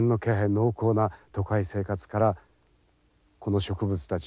濃厚な都会生活からこの植物たち